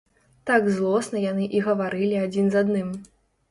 Так злосна яны і гаварылі адзін з адным.